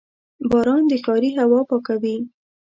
• باران د ښاري هوا پاکوي.